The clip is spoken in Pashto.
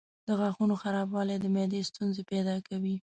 د غاښونو خرابوالی د معدې ستونزې پیدا کوي.